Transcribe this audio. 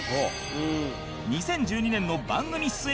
２０１２年の番組出演